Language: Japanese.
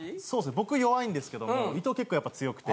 僕弱いんですけども伊藤結構やっぱ強くて。